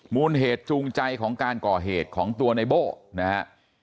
มูลเหตุจูงใจของการก่อเหตุของตัวในโบ้นะฮะ